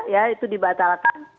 ya itu dibatalkan